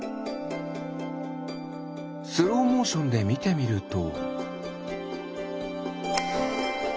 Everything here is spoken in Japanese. スローモーションでみてみると。